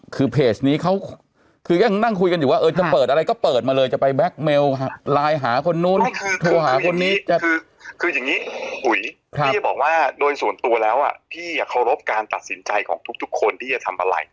คืออย่างนี้พี่จะบอกว่าโดยส่วนตัวแล้วพี่จะเคารพการตัดสินใจของทุกคนที่จะทำอะไร